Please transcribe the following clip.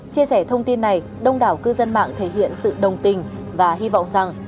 chia sẻ thông tin này đông đảo cư dân mạng thể hiện sự đồng tình và hy vọng rằng